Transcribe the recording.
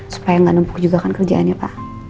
supaya nggak numpuk juga kan kerjaannya pak